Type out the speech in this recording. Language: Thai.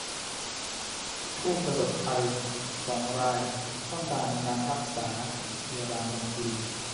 ผู้ประสบภัยสองรายต้องการการรักษาพยาบาลทันที